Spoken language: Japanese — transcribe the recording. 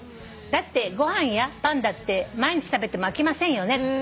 「だってご飯やパンだって毎日食べても飽きませんよね？」